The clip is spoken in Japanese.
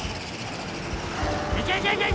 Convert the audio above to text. ・いけいけいけいけ！